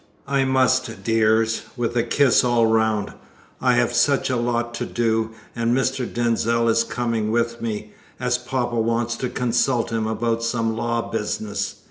"I must, dears," with a kiss all round. "I have such a lot to do, and Mr. Denzil is coming with me, as poppa wants to consult him about some law business.